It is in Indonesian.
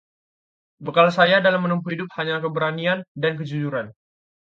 bekal saya dalam menempuh hidup hanyalah keberanian dan kejujuran